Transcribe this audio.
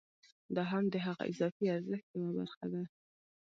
دا هم د هغه اضافي ارزښت یوه برخه ده